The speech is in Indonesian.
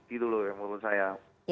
gitu loh yang menurut saya